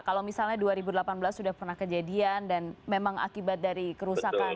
kalau misalnya dua ribu delapan belas sudah pernah kejadian dan memang akibat dari kerusakan